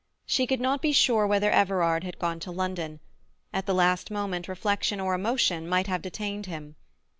She could not be sure whether Everard had gone to London; at the last moment reflection or emotion might have detained him.